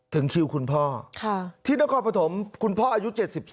ถึงคิวคุณพ่อที่นครปฐมคุณพ่ออายุ๗๒